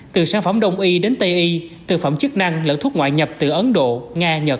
từ sản phẩm đông y đến tây y thực phẩm chức năng lẫn thuốc ngoại nhập từ ấn độ nga nhật